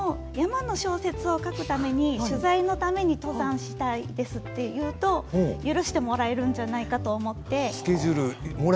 でも取材のために登山をしたいですと言うと許してもらえるんじゃないかと思って。